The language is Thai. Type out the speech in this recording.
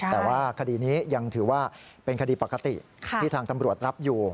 แต่ว่าคดีนี้ยังถือว่าเป็นคดีปกติที่ทางตำรวจรับอยู่